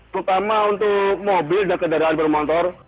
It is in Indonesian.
terutama untuk mobil dan kendaraan bermotor